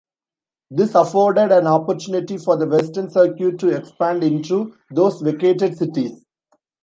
This afforded an opportunity for the Western circuit to expand into those vacated cities.